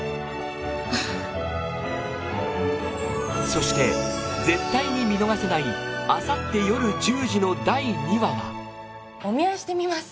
そして絶対に見逃せないあさってよる１０時の第２話はお見合いしてみます